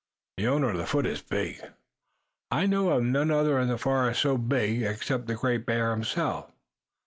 The owner of the foot is big. I know of none other in the forest so big except the Great Bear himself."